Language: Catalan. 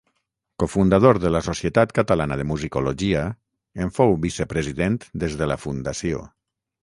Cofundador de la Societat Catalana de Musicologia, en fou vicepresident des de la fundació.